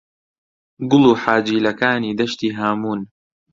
«گوڵ و حاجیلەکانی دەشتی هاموون»